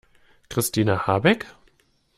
Christina Habeck?